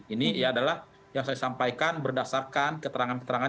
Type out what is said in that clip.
ini adalah yang saya sampaikan berdasarkan keterangan keterangan